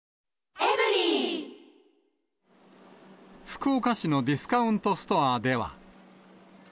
福岡市のディスカウントストアでは。